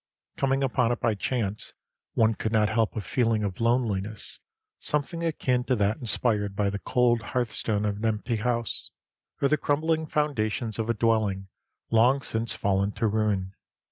Coming upon it by chance, one could not help a feeling of loneliness, something akin to that inspired by the cold hearthstone of an empty house, or the crumbling foundations of a dwelling long since fallen to ruin.